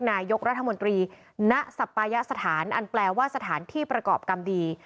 นายกรัฐมนตรีณสัปยสถานอันแปลว่าสถานที่ประกอบกรรมดี